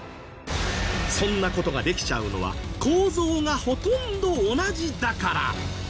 そんな事ができちゃうのは構造がほとんど同じだから。